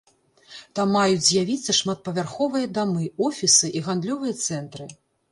Там маюць з'явіцца шматпавярховыя дамы, офісы і гандлёвыя цэнтры.